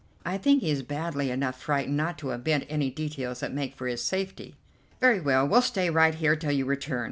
I think he is badly enough frightened not to omit any details that make for his safety." "Very well, we'll stay right here till you return.